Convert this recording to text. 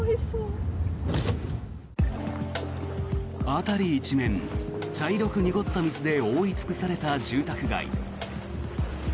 辺り一面、茶色く濁った水で覆い尽くされた住宅街。